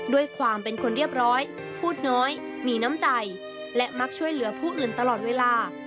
ด้วยความเป็นคนเรียบร้อยพูดน้อยมีน้ำใจและมักช่วยเหลือผู้อื่นตลอดเวลา